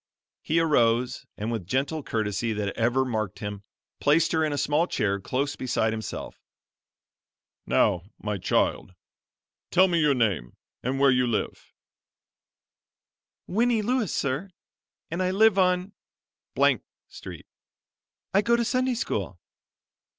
He arose, and with gentle courtesy that ever marked him, placed her in a small chair close beside himself. "Now, my child, tell me your name, and where you live." "Winnie Lewis sir, and I live on Street. I go to Sunday school."